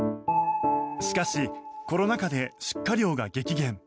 しかしコロナ禍で出荷量が激減。